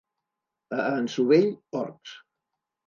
A Ansovell, orcs.